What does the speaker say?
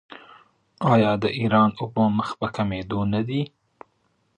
آیا د ایران اوبه مخ په کمیدو نه دي؟